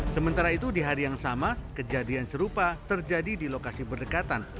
sementara itu di hari yang sama kejadian serupa terjadi di lokasi berdekatan